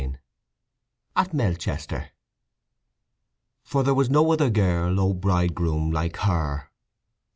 Part Third AT MELCHESTER _"For there was no other girl, O bridegroom, like her!"